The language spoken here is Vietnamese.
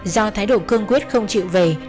do thái độ cương quyết không chịu về